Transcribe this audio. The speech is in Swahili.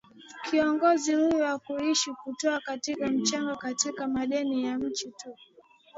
Kiongozi huyo hakuishia kutoa katika mchango katika medani ya mchezo tu